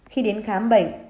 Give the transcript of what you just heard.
khi đến khám bệnh